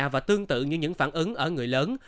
và tương tự như những phản ứng ở người lớn